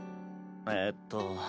えっと。